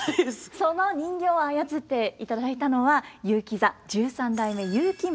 その人形をあやつっていただいたのは結城座十三代目結城孫三郎さんです。